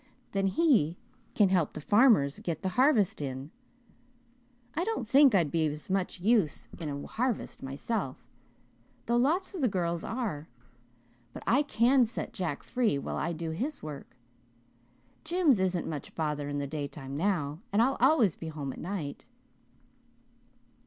Then he can help the farmers get the harvest in. I don't think I'd be much use in a harvest myself though lots of the girls are but I can set Jack free while I do his work. Jims isn't much bother in the daytime now, and I'll always be home at night."